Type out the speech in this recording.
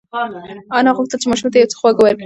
انا غوښتل چې ماشوم ته یو څه خواږه ورکړي.